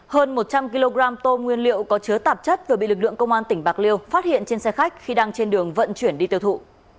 hơn một trăm linh kg tôm nguyên liệu có chứa tạp chất vừa bị lực lượng công an tỉnh bạc liêu phát hiện trên xe khách khi đang trên đường vận chuyển đi tiêu thụ